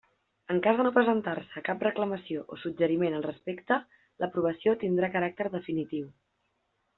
En cas de no presentar-se cap reclamació o suggeriment al respecte, l'aprovació tindrà caràcter definitiu.